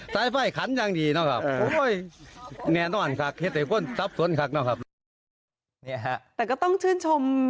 แต่ก็ต้องชื่นชม